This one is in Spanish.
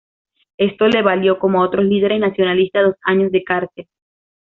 Esto le valió, como a otros líderes nacionalistas, dos años de cárcel.